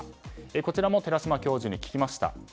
こちらも、寺嶋教授に聞きました。